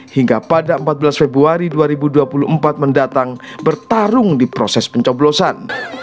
hingga pada empat belas februari dua ribu dua puluh empat mendatang bertarung di proses pencoblosan